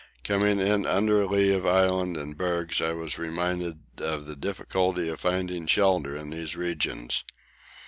Coming in under lee of Island and bergs I was reminded of the difficulty of finding shelter in these regions.